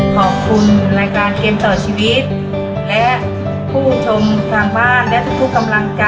ขอบคุณรายการเกมต่อชีวิตและผู้ชมทางบ้านและทุกทุกกำลังใจ